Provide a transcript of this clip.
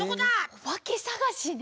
おばけさがしね。